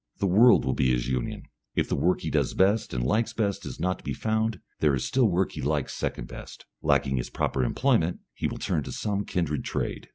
The world will be his Union. If the work he does best and likes best is not to be found, there is still the work he likes second best. Lacking his proper employment, he will turn to some kindred trade.